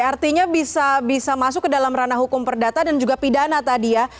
artinya bisa masuk ke dalam ranah hukum perdata dan juga pidana tadi ya